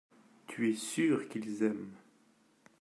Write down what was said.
Tu es sûr qu’ils aiment.